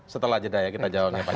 setelah jeda ya kita jawabnya pak ya